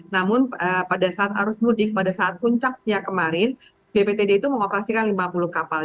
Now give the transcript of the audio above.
namun pada saat arus mudik pada saat puncaknya kemarin bptd itu mengoperasikan lima puluh kapal